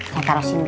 saya taruh sini dulu